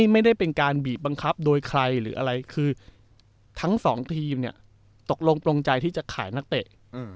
ไม่ได้เป็นการบีบบังคับโดยใครหรืออะไรคือทั้งสองทีมเนี่ยตกลงตรงใจที่จะขายนักเตะ